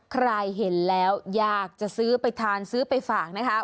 ใครเห็นแล้วอยากจะซื้อไปทานซื้อไปฝากนะคะ